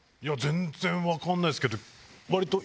全然分かんないですけど。